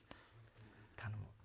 頼む！